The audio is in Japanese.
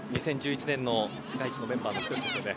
２０１１年の世界一メンバーの１人ですよね。